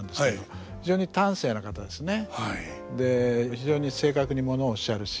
非常に正確にものおっしゃるし。